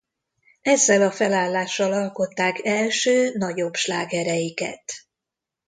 Ezzel a felállással alkották első nagyobb slágereiket.